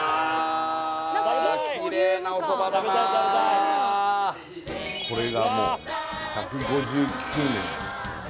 キレイなお蕎麦だなこれがもう１５９年です